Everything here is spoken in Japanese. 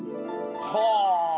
はあ！